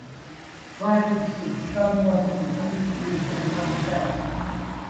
Prior to this date, Scouting was open only for British and foreign Scouts.